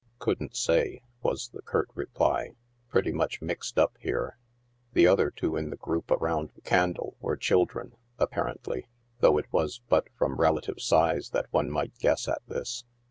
"Couldn't say," was the curt reply; '"pretty much mixed up here." The other two in the group around the candle were children, ap parently, though it was but from relative size that one might guess at this.